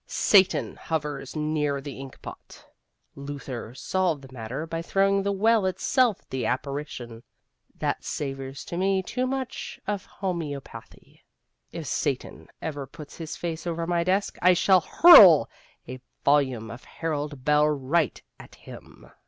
Satan hovers near the ink pot. Luther solved the matter by throwing the well itself at the apparition. That savors to me too much of homeopathy. If Satan ever puts his face over my desk, I shall hurl a volume of Harold Bell Wright at him.